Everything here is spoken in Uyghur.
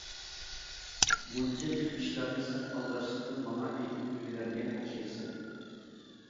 مۇنچە جىق ئىشلارنى سەن ئالدىراشلىقتىن ماڭا ئېيتىپ ئۈلگۈرەلمىگەن ئوخشايسەن.